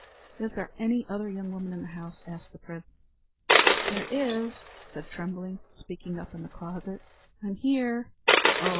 "Is there any other young woman in the house?" asked the prince. "There is," said Trembling, speaking up in the closet; "I'm here." "Oh!